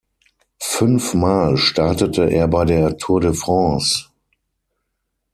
Fünf mal startete er bei der Tour de France.